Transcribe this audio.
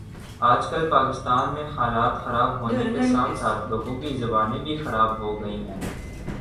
آج کل پاکستان میں حالات خراب ہونے کے ساتھ ساتھ لوگوں کی زبانیں بھی خراب ہو گئی ہیں